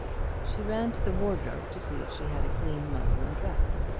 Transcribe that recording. She ran to the wardrobe to see if she had a clean muslin dress.